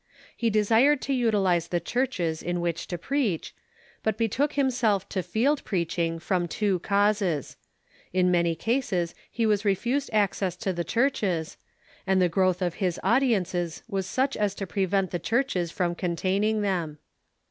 He desired to utilize the churches in which to preach, but betook himself to field preaching from two causes — in many cases he was refused access to the churches, and the growth of his audi ences was such as to prevent the churches from containing them.